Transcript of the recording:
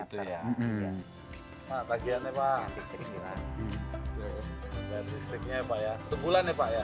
setiap bulan ya pak ya